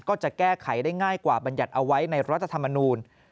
ก็จะแก้ไขได้ง่ายกว่าบรรยัติเอาไว้ในรัฐธรรมนูล